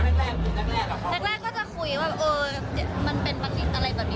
แรกก็จะคุยว่าเออมันเป็นอะไรมีแบบนี้